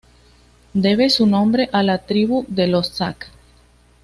Debe su nombre a la tribu de los Sac.